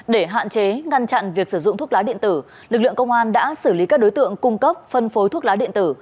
để hạn chế ngăn chặn việc sử dụng thuốc lá điện tử lực lượng công an đã xử lý các đối tượng cung cấp phân phối thuốc lá điện tử